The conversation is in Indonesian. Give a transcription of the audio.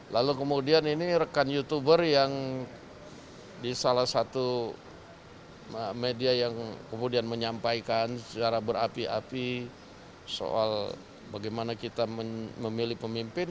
lalu kemudian ini rekan youtuber yang di salah satu media yang kemudian menyampaikan secara berapi api soal bagaimana kita memilih pemimpin